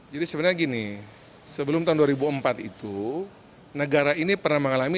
jadi sebenarnya gini sebelum tahun dua ribu empat itu negara ini pernah mengalami